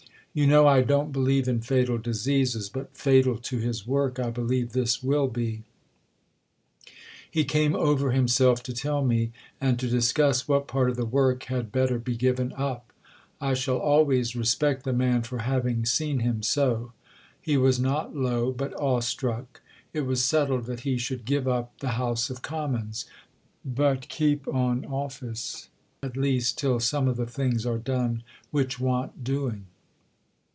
You know I don't believe in fatal diseases, but fatal to his work I believe this will be. He came over himself to tell me and to discuss what part of the work had better be given up. I shall always respect the man for having seen him so. He was not low, but awe struck. It was settled that he should give up the House of Commons, but keep on office at least till some of the things are done which want doing.